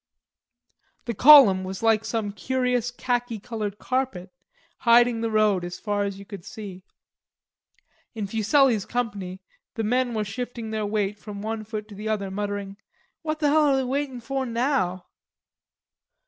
The column was like some curious khaki colored carpet, hiding the road as far as you could see. In Fuselli's company the men were shifting their weight from one foot to the other, muttering, "What the hell a' they waiting for now?"